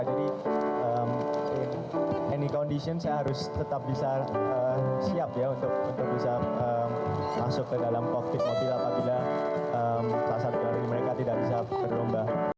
jadi dalam keadaan apa apa saya harus tetap bisa siap untuk bisa masuk ke dalam povit mobil apabila salah satu dari mereka tidak bisa berlomba